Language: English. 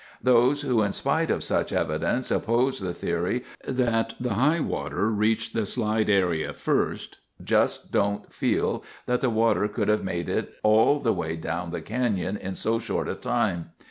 Those who, in spite of such evidence, oppose the theory that the high water reached the slide area first just don't feel that the water could have made it all the way down the canyon in so short a time.